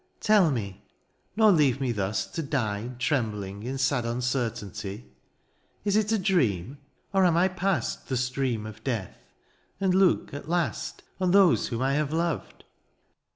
^' Tell me, nor leave me thus to die '^ Trembling in sad uncertainty —^^ Is it a dream ? or am I past " The stream of death, and look, at last, " On those whom I have loved